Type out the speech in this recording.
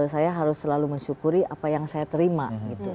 saya harus selalu mensyukuri apa yang saya terima